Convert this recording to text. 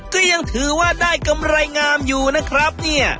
ก็ยังถือว่าได้กำไรงามอยู่นะครับเนี่ย